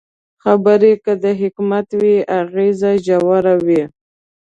خبرې که د حکمت وي، اغېز ژور وي